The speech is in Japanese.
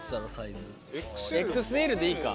ＸＬでいいか。